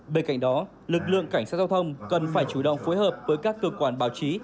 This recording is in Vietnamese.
bên cạnh đó lực lượng cảnh sát giao thông cần phải chủ động phối hợp với các cơ quan báo chí